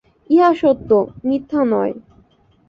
ইহা সত্য, মিথ্যা নয়।